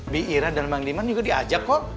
bi ira dan bang diman juga diajak kok